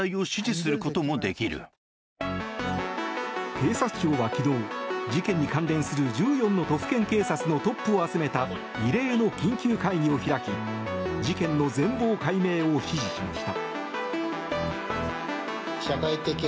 警察庁は昨日事件に関連する１４の都府県警察のトップを集めた異例の緊急会議を開き事件の全容解明を指示しました。